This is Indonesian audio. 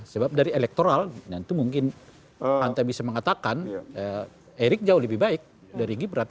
sebab dari elektoral itu mungkin hantar bisa mengatakan erik jauh lebih baik dari gibran